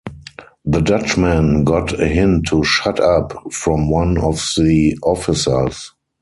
The Dutchman got a hint to ‘shut up’ from one of the officers.